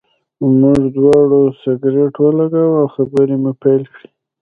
موږ دواړو سګرټ ولګاوه او خبرې مو پیل کړې.